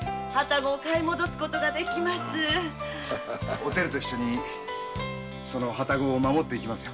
おてると一緒に旅籠を守っていきますよ。